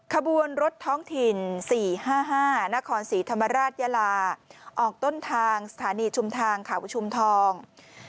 ขบวนรถท้องถิ่น๔๕๕นครศรีธรรมราชยาลาออกต้นทางสถานีชุมทางเขาอุชุมทอง